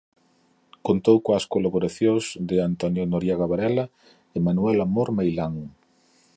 Contou coas colaboracións de Antonio Noriega Varela e Manuel Amor Meilán.